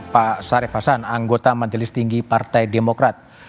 pak sarif hasan anggota majelis tinggi partai demokrat